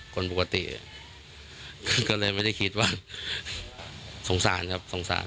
คนปกติก็เลยไม่ได้คิดว่าสงสารครับสงสาร